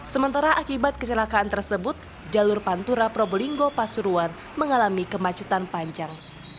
sementara akibat kecelakaan tersebut jalur pantura probolinggo pasuruan mengalami kemacetan panjang